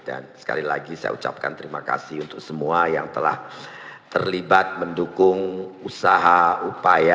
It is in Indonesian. dan sekali lagi saya ucapkan terima kasih untuk semua yang telah terlibat mendukung usaha upaya